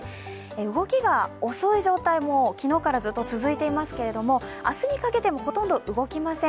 動きが遅い状態が昨日からずっと続いていますが明日にかけても、ほとんど動きません。